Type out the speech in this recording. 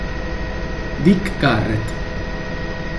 Dick Garrett